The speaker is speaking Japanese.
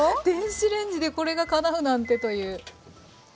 電子レンジでこれがかなうなんてという。